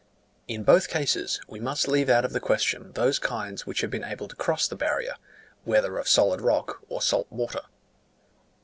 In both cases, we must leave out of the question those kinds which have been able to cross the barrier, whether of solid rock or salt water.